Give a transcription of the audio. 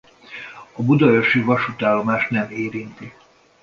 A Budaörsi vasútállomást nem érinti.